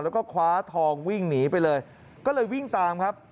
แล้วก็คว้าทองวิ่งหนีไปเลยก็เลยวิ่งตามครับ